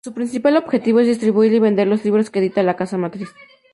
Su principal objetivo es distribuir y vender los libros que edita la casa matriz.